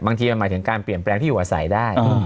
บางทีมันหมายถึงการเปลี่ยนแปลงที่อยู่อาศัยได้